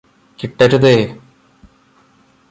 കിട്ടരുതേ